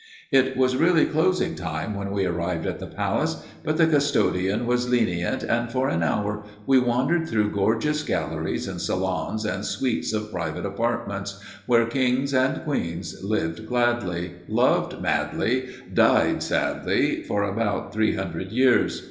It was really closing time when we arrived at the palace, but the custodian was lenient, and for an hour we wandered through gorgeous galleries, and salons, and suites of private apartments, where kings and queens lived gladly, loved madly, died sadly for about three hundred years.